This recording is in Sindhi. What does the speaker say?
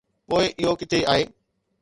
پوء اهو ڪٿي آهي؟